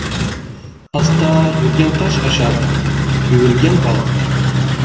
ئاستا يۈرگەن تاش ئاشار، يۈگۈرگەن باغ.